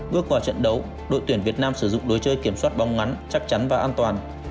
bước vào trận đấu đội tuyển việt nam sử dụng lối chơi kiểm soát bóng ngắn chắc chắn và an toàn